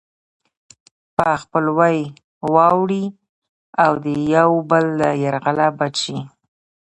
په خپلوۍ واوړي او د يو بل له يرغله بچ شي.